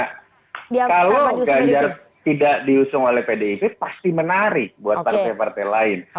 kalau ganjar tidak diusung oleh pdip pasti menarik buat partai partai lain